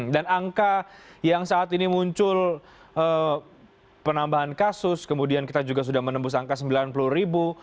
dan angka yang saat ini muncul penambahan kasus kemudian kita juga sudah menembus angka sembilan puluh ribu